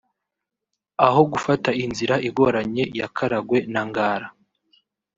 aho gufata inzira igoranye ya Karagwe na Ngara